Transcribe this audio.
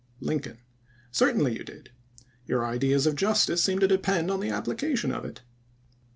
Lincoln: "Certainly you did. Your ideas of justice seem to depend on the application of it.